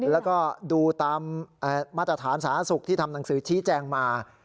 แล้วก็ดูตามมาตรฐานสาธารณสุขที่ทำหนังสือชี้แจงมา